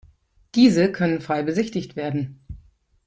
Diese können frei besichtigt werden.